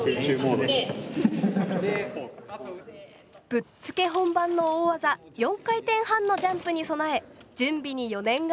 ぶっつけ本番の大技４回転半のジャンプに備え準備に余念がありません。